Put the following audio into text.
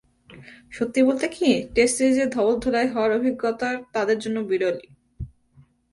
সত্যি বলতে কী, টেস্ট সিরিজে ধবলধোলাই হওয়ার অভিজ্ঞতা তাদের জন্য বিরলই।